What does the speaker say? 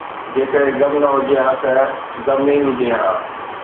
جيڪڏهن غم نه هجي ها ته غم ئي هجي ها